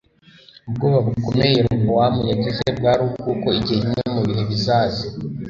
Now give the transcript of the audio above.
Ubwoba bukomeye Yerobowamu yagize bwari ubwuko igihe kimwe mu bihe bizaza